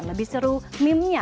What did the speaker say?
lebih seru miminya